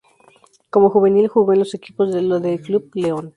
Como juvenil, jugó en los equipos de del Club León.